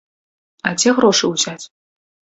А дзе грошы ўзяць?